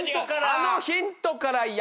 あのヒントから。